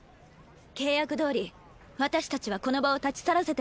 契約どおり私たちはこの場を立ち去らせてもらうわ。